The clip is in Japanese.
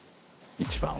一番は。